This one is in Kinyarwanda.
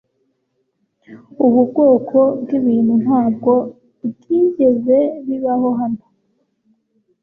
Ubu bwoko bwibintu ntabwo byigeze bibaho hano.